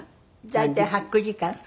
大体８９時間。